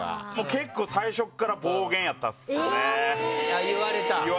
結構最初から暴言だったっすね。